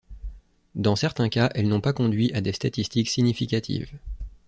Dans certains cas, elles n’ont pas conduit à des statistiques significatives.